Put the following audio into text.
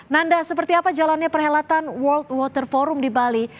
nanda seperti apa jalannya perhelatan world water forum di bali